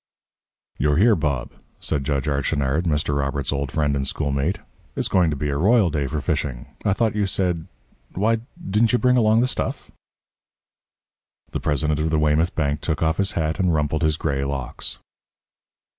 "You're here, Bob," said Judge Archinard, Mr. Robert's old friend and schoolmate. "It's going to be a royal day for fishing. I thought you said why, didn't you bring along the stuff?" The president of the Weymouth Bank took off his hat and rumpled his gray locks.